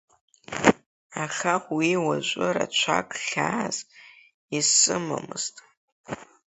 Аха уи уажәы рацәак хьаас исымамызт.